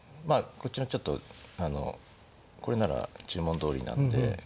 こっちのちょっとあのこれなら注文どおりなんで。